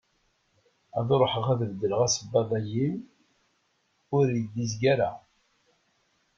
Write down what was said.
Ad ruḥeɣ ad d-beddleɣ asebbaḍ-agi, ur iyi-d-izga ara.